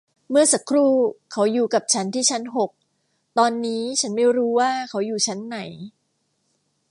เมื่อสักครู่เขาอยู่กับฉันที่ชั้นหก ตอนนี้ฉันไม่รู้ว่าเขาอยู่ชั้นไหน